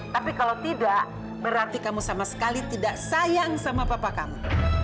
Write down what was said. tapi kalau tidak berarti kamu sama sekali tidak sayang sama papa kamu